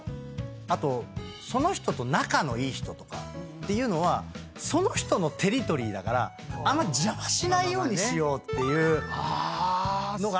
あとその人と仲のいい人とかっていうのはその人のテリトリーだからあんま邪魔しないようにしようっていうのがあんのよ。